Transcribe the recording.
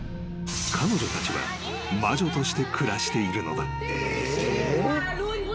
彼女たちは魔女として暮らしているのだ］